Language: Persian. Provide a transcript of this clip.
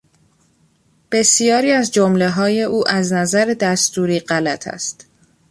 بسیاری از جملههای او از نظر دستوری غلط است.